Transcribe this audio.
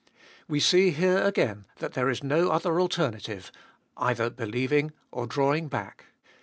We see here again that there is no other alternative — either believing or drawing back.